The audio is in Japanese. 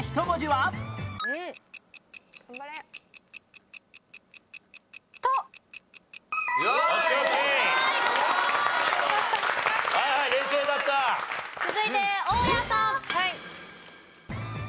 はい。